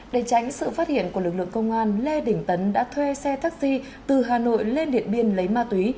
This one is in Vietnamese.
để tránh sự phát hiện của lực lượng công an lê đình tấn đã thuê xe taxi từ hà nội lên điện biên lấy ma túy